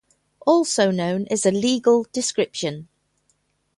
Also known as a "Legal Description".